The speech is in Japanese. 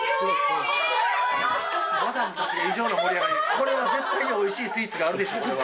これは絶対においしいスイーツがあるでしょこれは。